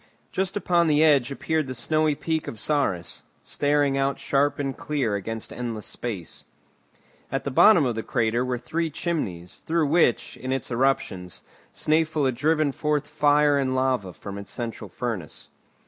Just upon the edge appeared the snowy peak of Saris, standing out sharp and clear against endless space. At the bottom of the crater were three chimneys, through which, in its eruptions, Snæfell had driven forth fire and lava from its central furnace.